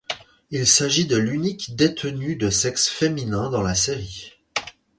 Il s'agit de l'unique détenu de sexe féminin dans la série.